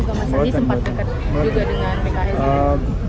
karena kan sebelumnya juga mas andi sempat dekat dengan pks